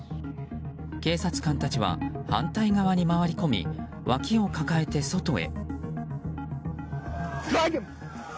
警察官たちは反対側に回り込み脇を抱えて外へ。